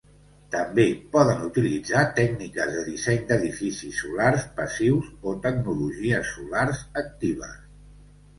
També poden utilitzar tècniques de disseny d'edificis solars passius o tecnologies solars actives.